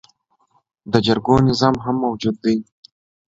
د جرګو نظام هم موجود دی